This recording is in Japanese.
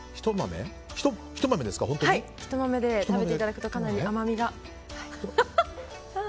ひと豆で食べていただくとかなり甘みが。